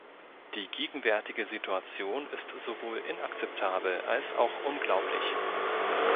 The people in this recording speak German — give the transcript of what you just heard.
Die gegenwärtige Situation ist sowohl inakzeptabel als auch unglaublich.